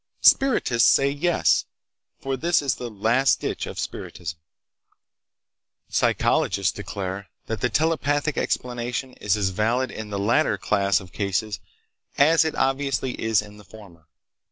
Spiritists say 'yes,' for this is the 'last ditch' of spiritism. "Psychologists declare that the telepathic explanation is as valid in the latter class of cases as it obviously is in the former.